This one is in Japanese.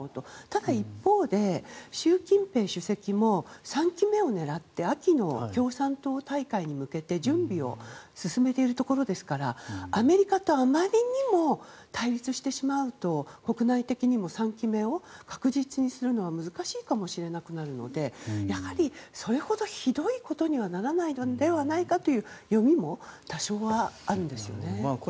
ただ一方で習近平主席も３期目を狙って秋の共産党大会に向けて準備を進めているところですからアメリカとあまりにも対立してしまうと国内的にも３期目を確実にするのは難しいかもしれなくなるのでやはりそれほどひどいことにはならないのではないかという読みも、多少はあるんですよね。